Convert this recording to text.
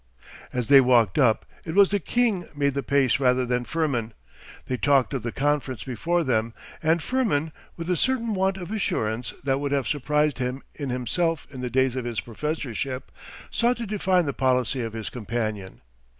As they walked up—it was the king made the pace rather than Firmin—they talked of the conference before them, and Firmin, with a certain want of assurance that would have surprised him in himself in the days of his Professorship, sought to define the policy of his companion.